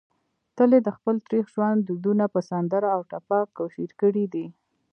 تل يې دخپل تريخ ژوند دردونه په سندره او ټپه کوشېر کړي دي